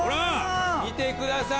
見てください